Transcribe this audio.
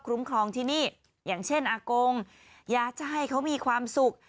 ครองที่นี่อย่างเช่นอากงอยากจะให้เขามีความสุข